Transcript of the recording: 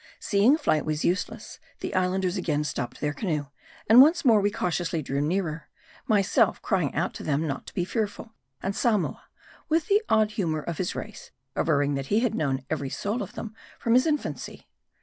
SEEING flight was useless, the Islanders again stopped their canoe, and once more we cautiously drew nearer ; myself crying out to them not to be fearful ; and Samoa, with the odd humor of his race, averring that he had known every soul of them from his infancy.